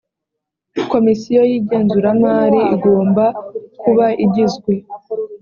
komisiyo y igenzuramari igomba kuba igizwe